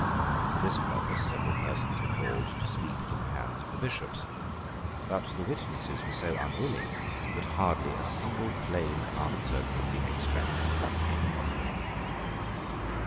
For this purpose several persons were called to speak to the hands of the Bishops. But the witnesses were so unwilling that hardly a single plain answer could be extracted from any of them.